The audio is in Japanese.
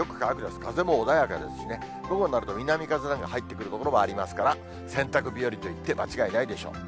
風も穏やかですしね、午後になると南風が入ってくる所もありますから、洗濯日和と言って間違いないでしょう。